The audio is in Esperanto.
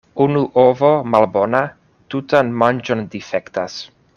Unu ovo malbona tutan manĝon difektas.